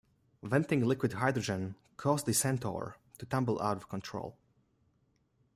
Venting liquid hydrogen caused the Centaur to tumble out of control.